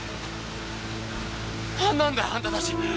何なんだあんたたち！